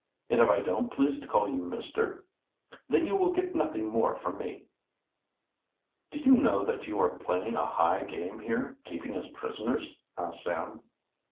"And if I don't please to call you Mister?" "Then you will get nothing more from me." "Do you know that you are playing a high game here, keeping us prisoners?" asked Sam.